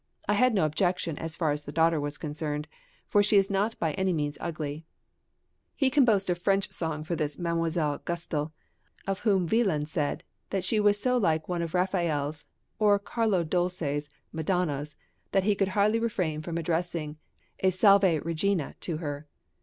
I had no objection as far as the daughter was concerned, for she is not by any means ugly." He composed a French song for this Mdlle. Gustl, of whom Wieland said that she was so like one of Raphael's or Carlo Dolce's Madonnas, that he could hardly refrain from addressing a "Salve Regina" to her.